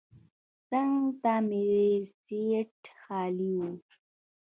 څنګ ته مې سیټ خالي و.